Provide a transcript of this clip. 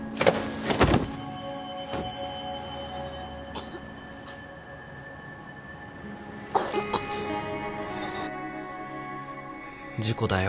ううっ事故だよ